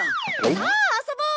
さあ遊ぼう！